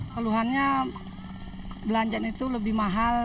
keluhannya belanjaan itu lebih mahal